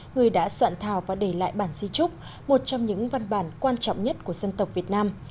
người đã soạn thảo và để lại bản di trúc một trong những văn bản quan trọng nhất của dân tộc việt nam